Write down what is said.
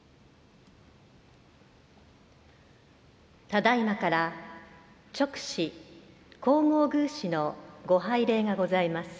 ただいまから勅使、皇后宮使のご拝礼がございます。